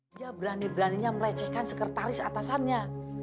dia berani beraninya melecehkan sekretaris atasannya